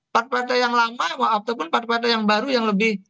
part part yang lama ataupun part part yang baru yang lebih